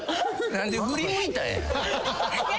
何で振り向いたんや。